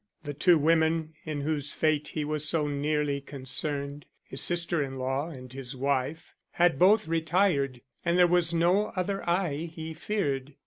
The two women in whose fate he was so nearly concerned, his sister in law and his wife, had both retired and there was no other eye he feared.